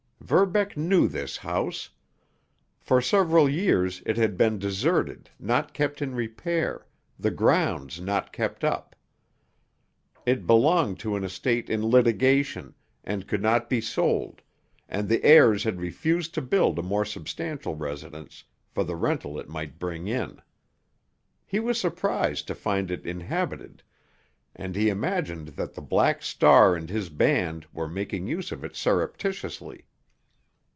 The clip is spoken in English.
Verbeck knew this house. For several years it had been deserted, not kept in repair, the grounds not kept up. It belonged to an estate in litigation, and could not be sold, and the heirs had refused to build a more substantial residence for the rental it might bring in. He was surprised to find it inhabited, and he imagined that the Black Star and his band were making use of it surreptitiously.